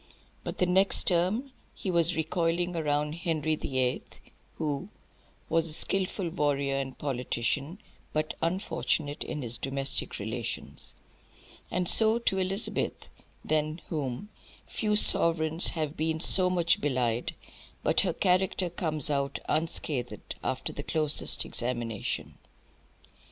But the next term he was recoiling round Henry the Eighth, who "was a skilful warrior and politician," but "unfortunate in his domestic relations;" and so to Elizabeth, than whom "few sovereigns have been so much belied, but her character comes out unscathed after the closest examination."